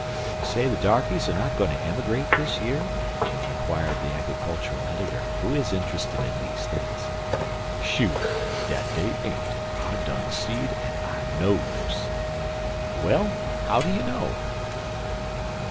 "You say the darkeys are not going to emigrate this year?" inquired the agricultural editor, who is interested in these things. "Shoo! dat dey ain't! I done seed an' I knows." "Well, how do you know?"